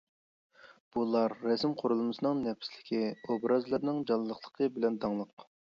بۇلار رەسىم قۇرۇلمىسىنىڭ نەپىسلىكى، ئوبرازلىرىنىڭ جانلىقلىقى بىلەن داڭلىق.